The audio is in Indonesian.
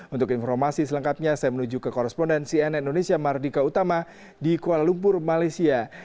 untuk informasi selengkapnya saya menuju ke korespondensi nn indonesia mardika utama di kuala lumpur malaysia